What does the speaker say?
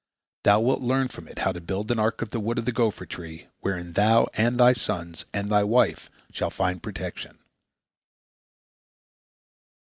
Thou wilt learn from it how to build an ark of the wood of the gopher tree, wherein thou, and thy sons, and thy wife shall find protection."